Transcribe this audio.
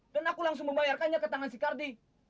aku langsung membayarkannya ke tangan si kardi